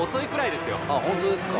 あっホントですか？